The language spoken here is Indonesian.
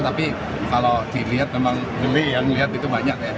tapi kalau dilihat memang geli yang lihat itu banyak ya